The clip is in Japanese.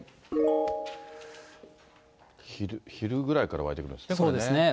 昼ぐらいから湧いてくるんですね、そうですね。